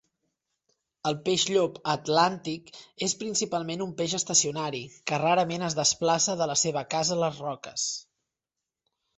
El peix llop atlàntics és principalment un peix estacionari, que rarament es desplaça de la seva casa a les roques.